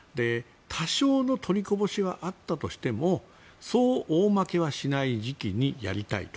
多少の取りこぼしはあったとしてもそう大負けはしない時期にやりたいと。